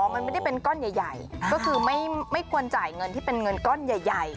มันไม่ได้เป็นก้อนใหญ่ก็คือไม่ควรจ่ายเงินที่เป็นเงินก้อนใหญ่